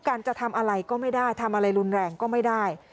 การจะทำอะไรก็ไม่ได้ทำอะไรรุนแรงก็ไม่ได้